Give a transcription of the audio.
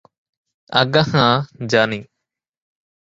আজ্ঞা হাঁ, জানি।